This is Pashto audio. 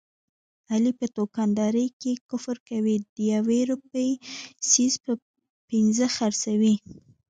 علي په دوکاندارۍ کې کفر کوي، د یوې روپۍ څیز په پینځه خرڅوي.